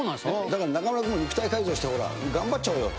だから、中丸君も肉体改造して頑張っちゃおうよ。